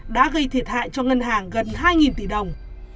đã gây thiệt hại cho ngân hàng gần hai tỷ đồng